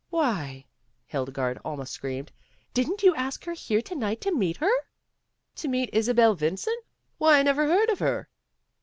"Why," Hildegarde almost screamed, "didn't you ask us here to night to meet her?" "To meet Isabei Vincent! Why, I never heard of her."